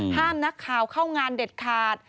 ห้ามนักข่าวเข้างานเด็ดขาด